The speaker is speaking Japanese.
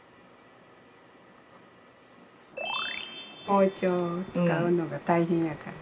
包丁を使うのが大変やから。